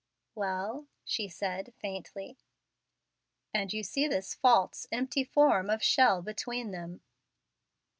"Well?" she said, faintly. "And you see this false, empty form of shell between them?"